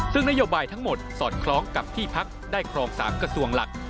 ซึ่งนโยบายทั้งหมดสอดคล้องกับที่พักได้ครอง๓กระทรวงหลัก